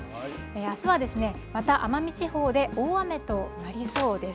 あすはですね、また奄美地方で大雨となりそうです。